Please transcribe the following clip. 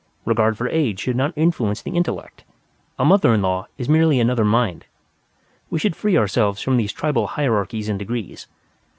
Regard for age should not influence the intellect. A mother in law is merely Another Mind. We should free ourselves from these tribal hierarchies and degrees."